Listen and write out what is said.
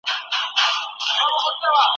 روغه کول د کورني نظم غوره لار ده.